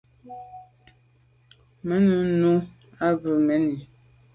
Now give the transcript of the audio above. Me num nu à bû mèn i.